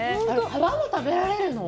皮も食べられるの？